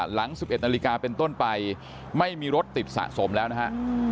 หลัง๑๑นาฬิกาเป็นต้นไปไม่มีรถติดสะสมแล้วนะฮะ